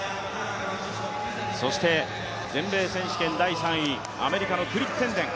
そして全米選手権第３位アメリカのクリッテンデン。